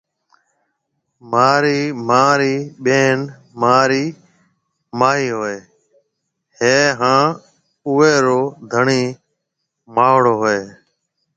مهارِي مان رِي ٻين مهارِي ماهِي هوئيَ هيََ هانَ اوئيَ رو ڌڻِي ماهڙو هوئيَ هيَ۔